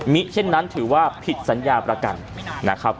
เช่นนั้นถือว่าผิดสัญญาประกันนะครับ